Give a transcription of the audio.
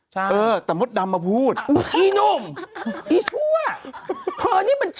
ใช่